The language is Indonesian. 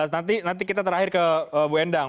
nanti kita terakhir ke bu endang